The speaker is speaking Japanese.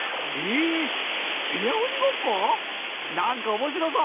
何か面白そう。